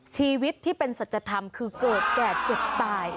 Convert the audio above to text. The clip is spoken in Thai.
ชีวิตที่เป็นสัจธรรมคือเกิดแก่เจ็บตาย